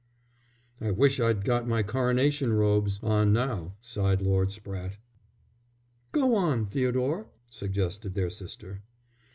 "I wish I'd got my coronation robes on now," sighed Lord Spratte. "Go on, Theodore," suggested their sister.